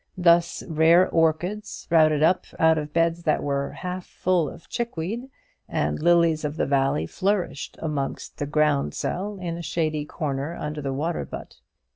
Thus rare orchids sprouted up out of beds that were half full of chickweed, and lilies of the valley flourished amongst the ground sel in a shady corner under the water butt.